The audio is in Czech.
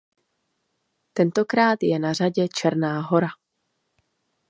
Tentokrát je na řadě Černá Hora.